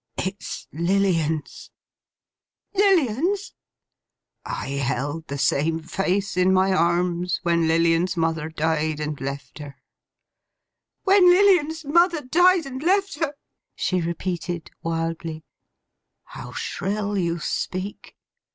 'It's Lilian's.' 'Lilian's!' 'I held the same face in my arms when Lilian's mother died and left her.' 'When Lilian's mother died and left her!' she repeated, wildly. 'How shrill you speak!